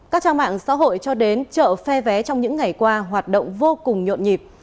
các trang mạng xã hội cho đến chợ phe vé trong những ngày qua hoạt động vô cùng nhộn nhịp